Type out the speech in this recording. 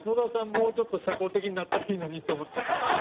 もうちょっと社交的になったらいいのにと思って。